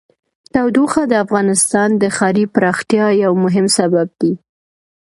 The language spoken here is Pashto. تودوخه د افغانستان د ښاري پراختیا یو مهم سبب دی.